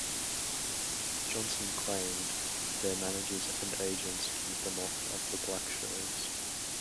Johnson claimed, Their managers and agents keep them off of the black shows.